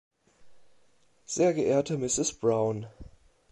Sehr geehrte Mrs. Brown.